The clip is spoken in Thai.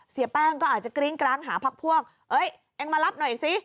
เสียแป้งก็อาจจะกริ้งกร้างหาพักพวกเอ้ยเองมารับหน่อยสิ